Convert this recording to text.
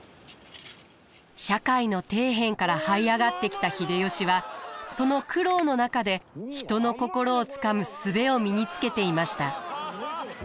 社会の底辺からはい上がってきた秀吉はその苦労の中で人の心をつかむ術を身につけていました。